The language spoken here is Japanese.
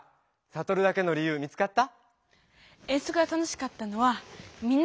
サトルだけの理由見つかった！